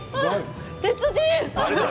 鉄人！